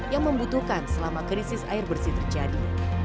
yang membutuhkan selama krisis air bersih terjadi